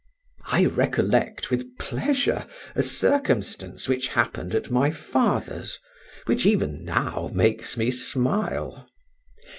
I recollect, with pleasure, a circumstance that happened at my father's, which even now makes me smile.